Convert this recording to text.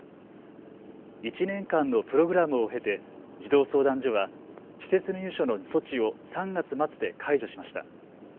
１年間のプログラムを経て児童相談所は施設入所の措置を３月末で解除しました。